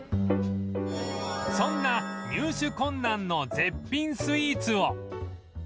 そんな入手困難の絶品スイーツを